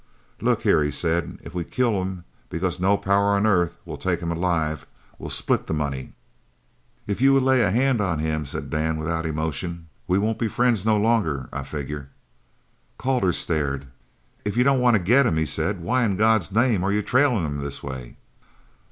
"Look here," he said, "if we kill him, because no power on earth will take him alive we'll split the money." "If you lay a hand on him," said Dan, without emotion, "we won't be friends no longer, I figger." Calder stared. "If you don't want to get him," he said, "why in God's name are you trailing him this way?"